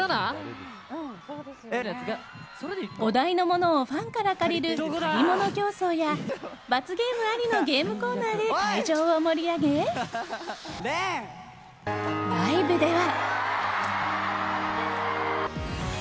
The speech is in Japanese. お題のものをファンから借りる借り物競争や罰ゲームありのゲームコーナーで会場を盛り上げライブでは。